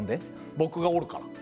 僕がおるから。